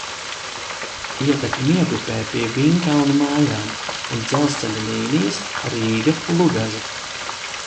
Ietek Miegupē pie Vīnkalnu mājām un dzelzceļa līnijas Rīga–Lugaži.